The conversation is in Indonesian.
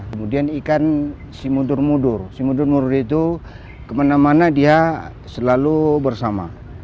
kemudian ikan si mudur mudur si mudur mudur itu kemana mana dia selalu bersama